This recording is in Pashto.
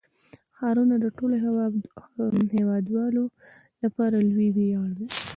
ښارونه د ټولو هیوادوالو لپاره لوی ویاړ دی.